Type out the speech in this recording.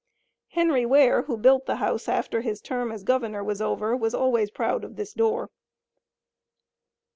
Henry Ware, who built the house after his term as governor was over, was always proud of this door.